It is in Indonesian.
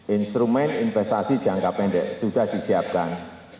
instrumen investasi jangka pendek sudah disiapkan